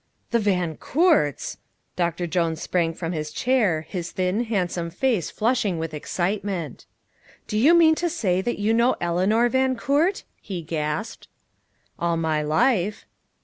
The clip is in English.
"The Van Coorts!" Doctor Jones sprang from his chair, his thin, handsome face flushing with excitement. "Do you mean to say that you know Eleanor Van Coort?" he gasped. "All my life."